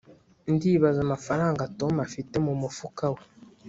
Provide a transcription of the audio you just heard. ndibaza amafaranga tom afite mumufuka we